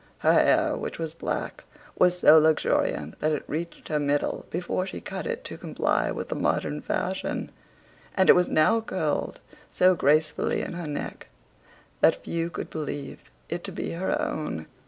Her hair, which was black, was so luxuriant, that it reached her middle, before she cut it to comply with the modern fashion; and it was now curled so gracefully in her neck, that few could believe it to be her own.